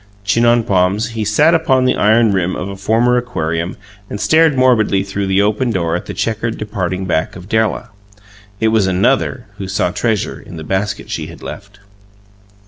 Chin on palms, he sat upon the iron rim of a former aquarium and stared morbidly through the open door at the checkered departing back of Della. It was another who saw treasure in the basket she had left.